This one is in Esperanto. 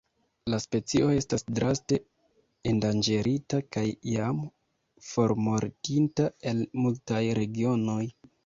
La specio estas draste endanĝerita kaj jam formortinta el multaj regionoj.